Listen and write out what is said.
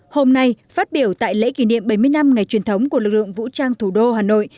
hôm nay phát biểu tại lễ kỷ niệm bảy mươi năm ngày truyền thống của lực lượng vũ trang thủ đô hà nội